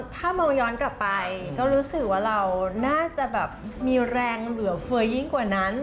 ถ้ามองย้อนกลับไปก็รู้สึกว่าเราน่าจะแบบมีแรงเหลือเฟือยยิ่งกว่านั้น